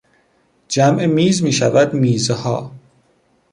جمع "میز" میشود "میزها".